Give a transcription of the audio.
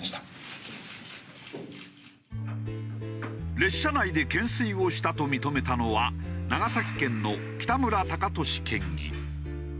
列車内で懸垂をしたと認めたのは長崎県の北村貴寿県議。